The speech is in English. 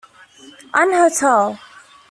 An hotel.